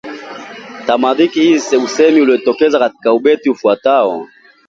Tamathali hii ya usemi imejitokeza katika ubeti ufuatao: